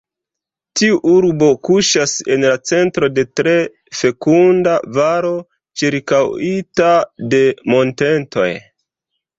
Tiu urbo kuŝas en la centro de tre fekunda valo ĉirkaŭita de montetoj.